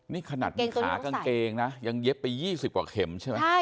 นี่ขนาดมีขากางเกงนะยังเย็บไป๒๐กว่าเข็มใช่ไหม